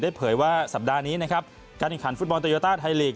เผยว่าสัปดาห์นี้นะครับการแข่งขันฟุตบอลโตโยต้าไทยลีก